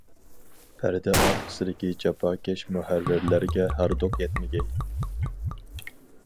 پەردە ئارقىسىدىكى جاپاكەش مۇھەررىرلەرگە ھاردۇق يەتمىگەي!